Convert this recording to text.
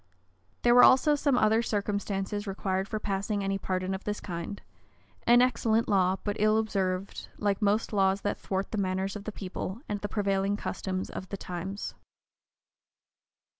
[*] There were also some other circumstances required for passing any pardon of this kind: an excellent law, but ill observed, like most laws that thwart the manners of the people, and the prevailing customs of the times.